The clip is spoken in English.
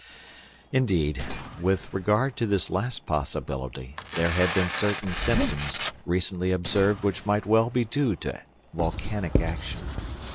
Indeed, with regard to this last possibility there had been certain symptoms recently observed which might well be due to volcanic action.